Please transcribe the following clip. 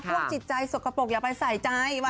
เพิ่งจิตใจสดกระโปกอยากไปสายใจ